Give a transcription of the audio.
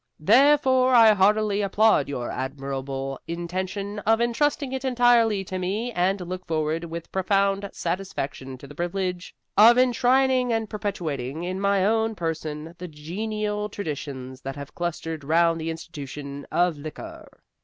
Therefore I heartily applaud your admirable intention of entrusting it entirely to me, and look forward with profound satisfaction to the privilege of enshrining and perpetuating in my own person the genial traditions that have clustered round the institution of Liquor.